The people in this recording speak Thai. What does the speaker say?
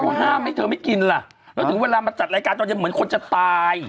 บอกว่าต้องไปหาอาหารให้